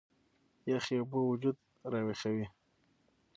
يخې اوبۀ وجود راوېخوي